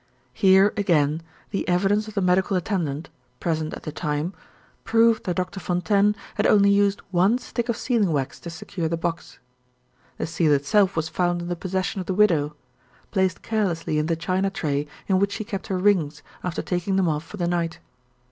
Here, again, the evidence of the medical attendant (present at the time) proved that Doctor Fontaine had only used one stick of sealing wax to secure the box. The seal itself was found in the possession of the widow; placed carelessly in the china tray in which she kept her rings after taking them off for the night.